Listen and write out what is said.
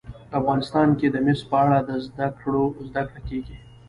افغانستان کې د مس په اړه زده کړه کېږي.